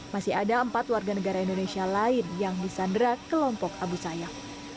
masih ada empat warga negara indonesia lain yang disandera kelompok abu sayyaf